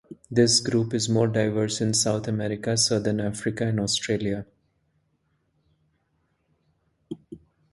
This group is most diverse in South America, Southern Africa and Australia.